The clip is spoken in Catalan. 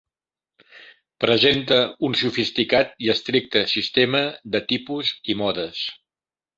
Presenta un sofisticat i estricte sistema de tipus i modes.